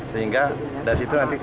sehingga dari situ nanti